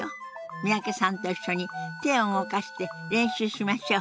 三宅さんと一緒に手を動かして練習しましょう。